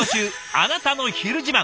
「あなたのひる自慢」。